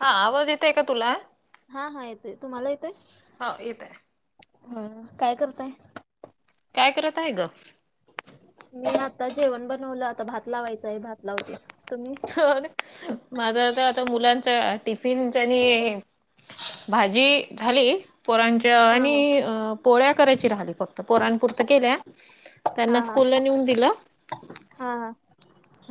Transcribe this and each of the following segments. हा आवाज येतय का तुला? हा, हा, येतोय. तुम्हाला येतय? हो येत आहे. हा काय करताय? काय करत आहे ग? मी आता जेवण बनवलं आता भात लावायचं आहे भात लावते, तुम्ही? माझा आता, आता मुलांचा टिफिनच आणि भाजी झाली पोरांच्या हा हा आणि अ ह पोळ्या करायची राहिली फक्त. पोरं पुरतं केल्या त्यांना हा हा स्कूलला नेऊन दिलं. हा हा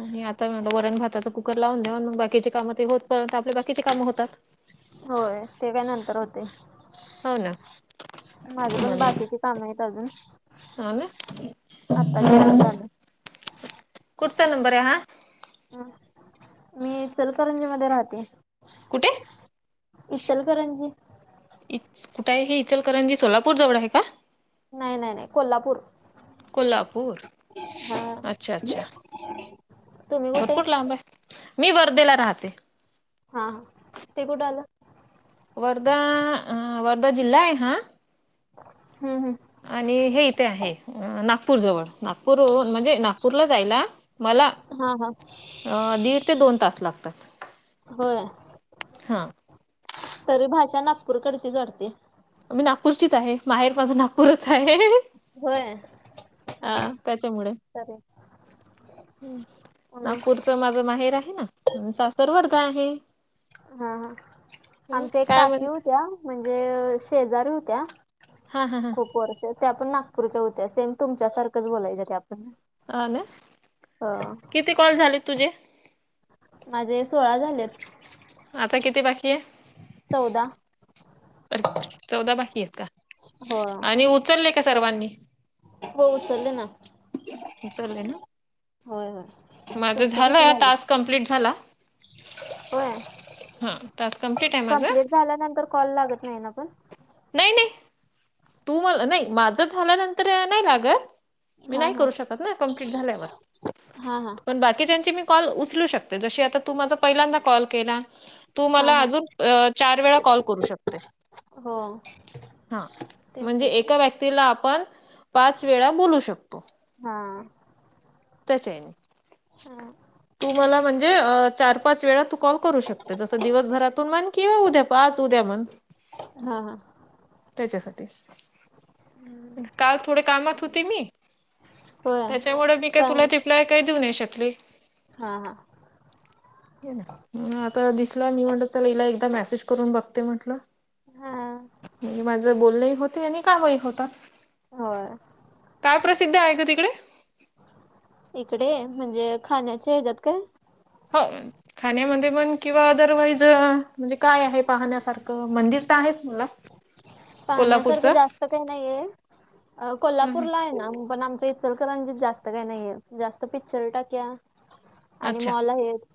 आणि आता वरण, भाताचं कुकर लावून देऊन मग बाकीचे कामं ते होत पंत आपले बाकीची काम होतात. होय ते काय नंतर होते. हो ना माझी पण बाकीचे काम आहेत अजून. हा ना आता जेवण झालं. कुठचा नंबर आहे हा? हां मी इचलकरंजी मध्ये राहते. कुठे? इतलकरंजी. इच कुठ आहे हे इचलकरंजी सोलापूर जवळ आहे का? नाही, नाही, नाही कोल्हापूर. कोल्हापूर हा अच्छा, अच्छा तुम्ही कुठे? भरपूर लांब आहे. मी वर्ध्याला राहते. हा ते कुठे आलं? वर्धा, वर्धा जिल्हा आहे हा हम्म, हम्म. आणि हे इथे आहे नागपूर जवळ नागपूरुन म्हणजे नागपूरला जायला मला हा हा. दीड ते दोन तास लागतात. होय हा तरी भाषा नागपूरकडची वाटते. मी नागपूरचीच आहे माहेर माझं नागपूरच आहे. होय हा चालेल. नागपूरच माझं माहेर आहेना, सासर वर्धा आहे. हा ह आमच्या एक काय म्हण काकी होत्या म्हणजे शेजारी होत्या हा हा हा खूप वर्ष त्या पण नागपूरच्या होत्या सेम तुमच्यासारखंच बोलायचं त्या पण अ न अ किती कॉल झालेत तुझे माझे सोळा झालेत आता किती बाकी आहे चौदा अ चौदा बाकी आहेत का हो आणि उचलले का सर्वांनी हो उचलले ना उचलले ना होय होय माझं तुमचे किती झालं झाले टास्क कम्प्लीट झाला होय हा टास्क कम्प्लीट आहे या कम्प्लीट झाल्यानंतर कॉल लागत नाही ना पण नाही नाही तू मला नाही माझं झाल्यानंतर नाही लागत मी हा नाही हा करू शकत ना कमप्लीट झाल्यावर हा हा पण बाकीच्याची मी कॉल उचलू शकते जशी आ तू माझा पहिल्यांदा कॉल केला तू हा मला हा अजून चार वेळा कॉल करू शकते हो हा ते म्हणजे माहिती एका व्यक्तीला आपण पाच वेळा बोलू शकतो हा त्याचेन हा तू मला म्हणजे चार पाच वेळा तू कॉल करू शकते जस दिवसभरातून मन किंवा उद्या पा पाच उद्या म्हण हा हा त्याच्यासाठी काल थोडे कामात होते मी, होय त्याच्यामुळे मी काय का तुला ते प्लाय काय देऊ न नाही शकली हा हा आता दिसला मी म्हणटलं चला हिला एकदा मेसेज करून बघते म्हंटलं हा म्हणजे माझ बोलण होत काम ही होतात होय काय प्रसिद्ध आहे ग तिकडे इकडे म्हणजे खाण्याचे ह्याच्यात काय हो खाण्यामध्ये पण किंवा आओदरवाईज म्हणजे काय आहे पाहण्यासारखं मंदिर आहेच मला कोल्हापूरचं. पाहण्यासारखं जास्त काही नाहीये, हम्म कोल्हापूरला हम्म आहे ना पण आमच इ इचलकरंजीत जास्त काही नाहीय जास्त पिक्चर टाक्या आणि मॉल आहेत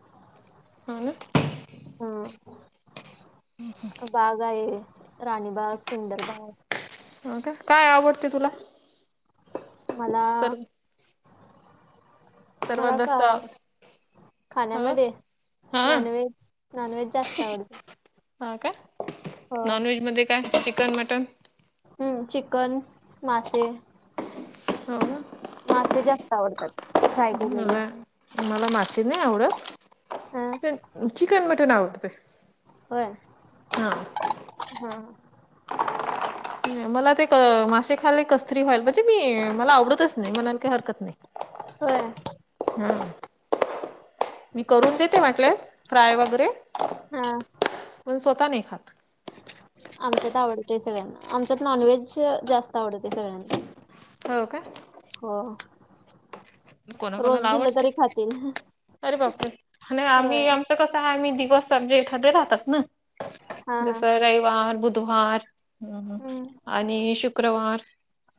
हा ना हम बाग आहे राणीबाग सुंदर बाग ह का काय आवडते तुला मला सर्व सर्वात मला जास्त हो खाण्यामध्ये हा नॉनव्हेज नॉनव्हेज जास्त आवडते हा का हो नॉन व्हेज मध्ये काय चिकन मटन चिकन मासे हा मासे जास्त आवडतात. फ्राय केलेले [unintelligible] मला मासे नाही आवडत. हा चिकन मटण आवडत. होय. हा. मला ते मासेे खाली कस्तरी व्हायल. म्हणजे मी मला आवडतच नाही. म्हणाल काही हरकत नाही. होय. हा. मी करून देते वाटल्यास. फ्राय वगैरे. हा पण स्वतः नाही खात. आमच्यात आवडतय सगळ्यांना. आमच्यात नॉनव्हेज जास्त आवडत सगळ्यांना. हो का? हो. रोज कोणाकोणाला दिले आवडते तरी खातील. अरे बाप रे! आणि होय. आम्ही आमचं कसं आहे? आम्ही दिवस सजे एखादे राहतात ना? हा हा. जस रविवार, बुधवार. हम्म. आणि शुक्रवार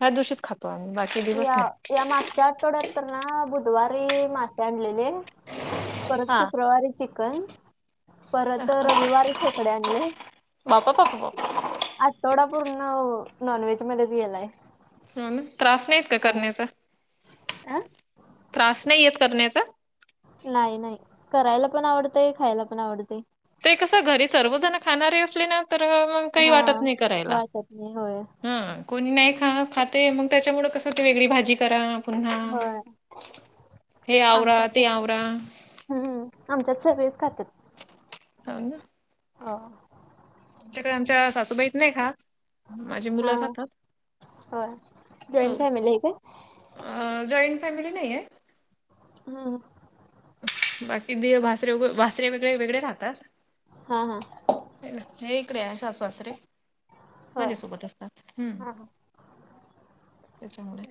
ह्या दिवशीच खातो आम्ही. बाकी- या, दिवस नाही या मागच्या आठवड्यात तर ना बुधवारी मासे आणलेले. परत हा शुक्रवारी चिकन. परत बापा रविवारी शेकडे आणले. बापा, बापा, बाप. आठवडा पूर्ण नॉन व्हेज मध्येच गेलाय. हा. मग त्रास नाहीे येत का अ करण्याचा? त्रास नाही येत करण्याचा? नाही नाही. करायला पण आवडतय. खायला पण आवडतय. ते कस? घरी सर्वजण खाणारे असले ना, तर मग काही हा वाटत नाही करायला. वाटत नाही होय. हं. कोणी नाही खा खातय. मग त्याच्यामुळे कसं ते वेगळी भाजी करा. पुन्हा होय हे आवरा. आमच्यात ते तसं. आवरा. हम्म. आमच्यात सगळेच खातात. हो ना. हो. आमच्याकडे आमच्या सासूबाई त नाही खात. माझी हा मुलं खातात. होय जॉईंट हो. फॅमिली आहे काय? अ. जॉइंट फॅमिली नाहीए. हो. बाकी दीर, भासरे- भासरे वेगळे वेगळे राहतात. हा हा. हे इकडे आहे सासू सासरे. होय. माझ्या सोबत असतात. हम्. हा हा. त्याच्यामुळे.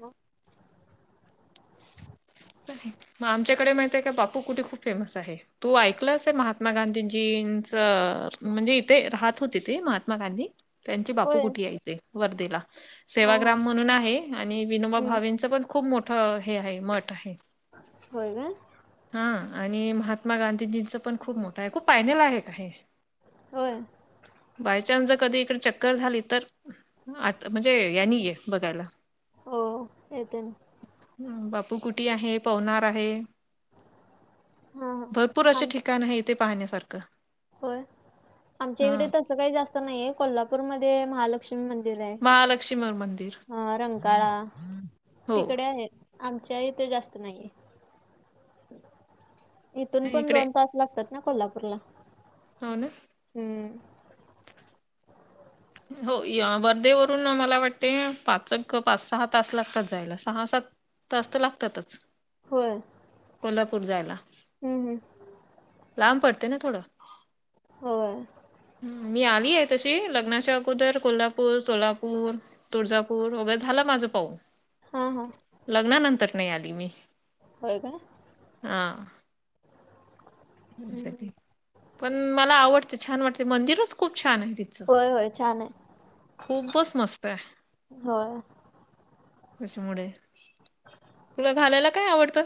मग आमच्याकडे माहित आहे का? बापू कुटी खूप फेमस आहे. तू ऐकलं असेल? महात्मा गांधींजींच, म्हणजे इथे राहत होते ते. महात्मा गांधी. त्यांची बापू होय कुटी आहे. इथे वर्दीला. हा हा सेवाग्राम म्हणून आहे. आणि विनोबा हम्म भावेंच पण खूप मोठ- ह हे आहे. मठ आहे. होय का? हा. आणि महात्मा गांधीजींचं पण खूप मोठ आहे. खूप पायन्यालायक आहे. होय. बायचान्स जर कधी इकडे चक्कर झाली तर- हा. आता म्हणजे यांनी ये बघायला. हो. येते ना. बापू कुटी आहे. पवनार आहे. हा हा. भरपूर असे आम ठिकाण आहे इथे पाहण्यासारखं. होय. आमच्या हा इकडे तसं काही जास्त नाहीये. कोल्हापूरमध्ये महालक्ष्मी मंदिर आहे. महालक्ष्मी मंदिर. हा. रंकाळा हो तिकडे आहेत. आमच्या इथे जास्त नाहीए. इथून नाही पण इकडे दोन तास- लागतात ना कोल्हापूरला हो न हम्म हो य वर्धेवरून मला वाटते पाचक पाच सहा तास लागतात जायला सहा सात तास त लागतातच. होय कोल्हापूर जायला, हम्म हम्म. लांब पडतय ना थोडं होय. मी आलीये तशी लग्नाच्या अगोदर कोल्हापूर, सोलापूर, तुळजापूर वगैरे झालं माझं पाहू हा हा लग्नानंतर नाही आली मी होय काय हा पण मला आवडते छान वाटते मंदिरच खूप छान आहे तिथे होय होय छान आहे खूपच मस्तय. होय. त्याच्यामुडे तुला घालायला काय आवडतं.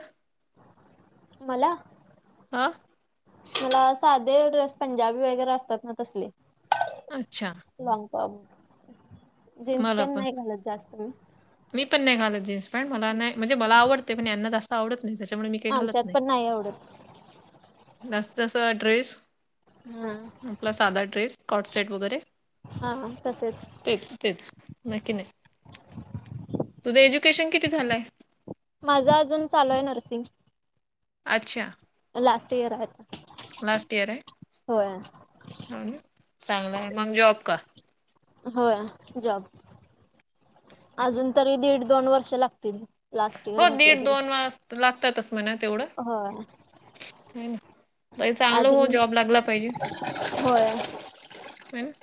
मला आं मला साधे ड्रेस पंजाबी वगैरे असतात ना, तसले अच्छा लॉंगटॉप जीन्स मला तेन पण नाय घालत जास्त मी मी पण नाय घालत जीन्सपॅन्ट मला नाय म्हणजे मला आवडते पण यांना जास्त आवडत नाय त्याच्यामुळे मी काय घालत आमच्यात नाय. पण नाही आवडत. जास्त असं ड्रेस हा आपला साधा ड्रेस कॉटसेेट वगैरे. हा हा तसच तेच तेच नकी ना [inaudible] तुझं एज्युकेशन किती झालंय? माझा अजून चालू य नर्सिंग अच्छा लास्ट इयर हाय आता लास्ट इयर हाय, होय हो ना, चांगला आहे मंग जॉब का? होय जॉब, अजून तरी दीड दोन वर्ष लागतील. लास्ट इयर हो म्हटलं दीड तरी दोन वस लागतातच. म्हणा तेवढ हो होय ना होय चांगलं हो आधी जॉब लागला पाहिजे. होय. हम्म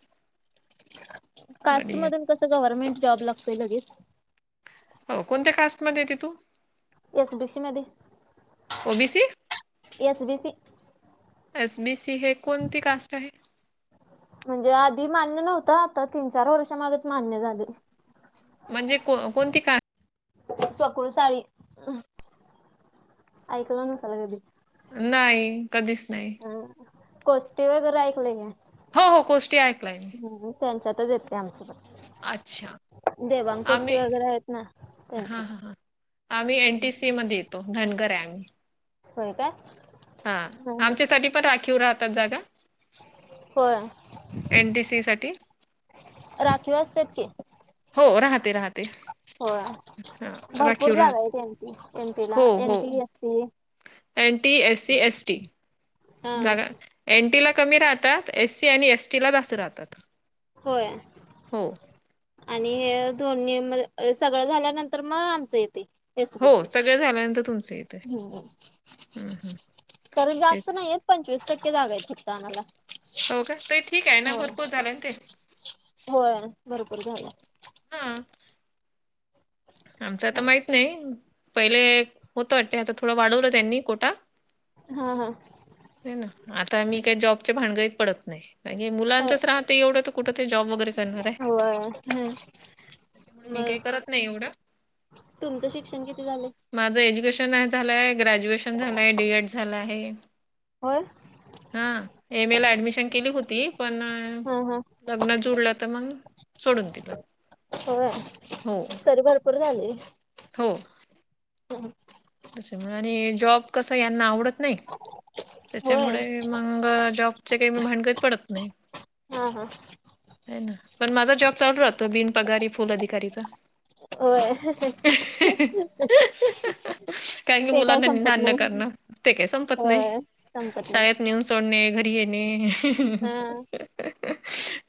कास्टमधून कसं गव्हर्नमेंट जॉब लागतोय लगेच हो कोणत्या कास्टमध्ये येते तू? एस बी सी मध्ये O B C S B C S B C हे कोणती कास्ट आहे. म्हणजे आधी मान्य नव्हतं आता तीन चार वर्षा मागच मान्य झाल. म्हणजे को कोणती का सकूळ साळी ऐकलं नसाला कधी- नाही कधीच नाही. कोस्टी वगैरे ऐकलंय काय हो हो कोष्टी ऐकलय मी बघु कोणचा तर व्यत्य आमचं अच्छा. पण देवाण कोष्टी आम्ही वगैरे आहेत ना हां, त्यांच्यात हां, हां. आम्ही एनटीसी मध्ये येतो धनगर आहे आम्ही होय काय हा आमच्यासाठी पण राखीव राहतात जागा होय एनटीसी साठी राखी असतात की हो राहते राहते होय हां, भरपूर राखीव राहत जागा आहेत एनटी एनटीला NTC N T S C S हा जागा एनटी ला कमी राहतात एस सी आणि एसटीला जास्त राहतात होय हो आणि हे दोन्ही मग सगळं झाल्यानंतर मग आमचं येतंय एसबीसी हो. सगळं झाल्यानंतर तुमचं येतंय. हम्म हं, हं. तरी जास्त तेच. नाही येत पंचवीस टक्के जागा आहेत फक्त आम्हाला हो का ते ठीक आहे ना होय भरपूर झालंय ना ते होय भरपूर झालं हा आमचं आता माहित नाही पहिले होत वाट आता थोडं वाढवलं त्यांनी कोटा हो हो नाही ना आता मी काय जॉबच्या भानगडीत पडत नाही हे हो मुलांचंच राहते एवढं तर कुठं ते जॉब वगैरे करणार आहे हो हम्म त्याच्यामुळे मी काय मग करत नाही एवढं तुमचं शिक्षण किती झालंय माझं एज्युकेशन झालं आहे ग्रॅज्युएशन झालं आहे डीएड झालं आहे होय. हा एमए ला ऍडमिशन केली होती पण हा हा लग्न जुडलं तर मग सोडून दिलं हो हो तरी भरपूर झालय. हो त्याच्यामुळे आणि जॉब कस यांना आवडत नाही होय त्याच्यामुळे मग जॉबच्या काय मी भानगडीत पडत नाही हा हा आहे ना, पण माझा जॉब चालू राहतो, बिन पगारी फुल अधिकारीचा. होय कारण की ते काय मुलांना, नेहण संपत आणण नाही करण ते काही संपत नाही, होय संपत नाही शाळेत नेहून सोडणे, घरी येणे, हा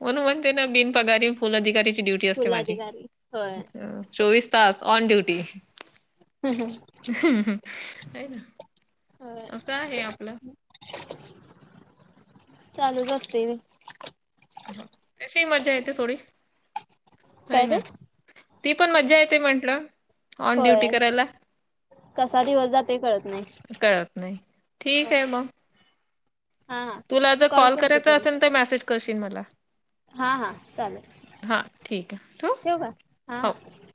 म्हणून म्हणते ना बिन पगारी फुल अधिकारीची ड्युटी असते फुल माझी, अधिकारी होय चोवीस तास ऑन ड्युटी. [unintelligible] आहे ना, होय असं आहे आपलं. चालूच आसतय बाई तशी मज्जा येथे थोडी, हाय काय ना. ते? ती पण मज्जा येते म्हंटलं, ऑन ड्युटी होय करायला. कसा दिवस जातोय कळत नाही कळत नाही, हा ठीक आहे मग. हा तुला जर कॉल करते करायचा परत असेल तर मेसेज करशील मला. हा हा, चालेल, हा ठीक आहे ठेवू ठेव का, हा हो. हा.